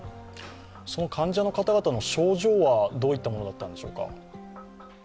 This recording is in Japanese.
その患者の方々の症状はどういったものだったんでしょうか？